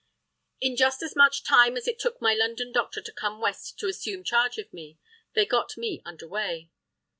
In just as much time as it took my London doctor to come west to assume charge of me, they got me under way.